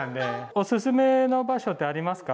おすすめの場所ってありますか？